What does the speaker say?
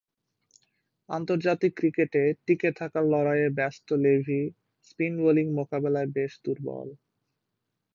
আন্তর্জাতিক ক্রিকেটে টিকে থাকার লড়াইয়ে ব্যস্ত লেভি স্পিন বোলিং মোকাবেলায় বেশ দূর্বল।